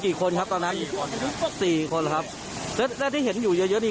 กี่คนครับตอนนั้นสี่คนครับสี่คนครับและและที่เห็นอยู่เยอะเยอะดี